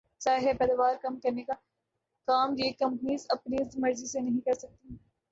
ظاہر ہے پیداوار کم کرنے کا کام یہ کمپنیز اپنی مرضی سے نہیں کر سکتیں